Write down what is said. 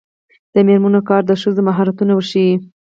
د میرمنو کار د ښځو مهارتونه ورښيي.